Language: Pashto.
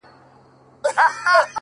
دا چي د سونډو د خـندا لـه دره ولـويــږي